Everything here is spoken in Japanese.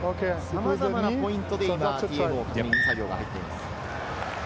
さまざまなポイントで今、検証する作業に入っています。